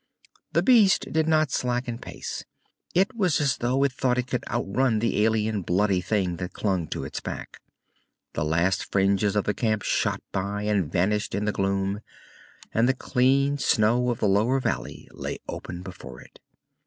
The beast did not slacken pace. It was as though it thought it could outrun the alien, bloody thing that clung to its back. The last fringes of the camp shot by and vanished in the gloom, and the clean snow of the lower valley lay open before it.